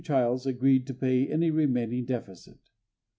Childs agreed to pay any remaining deficit.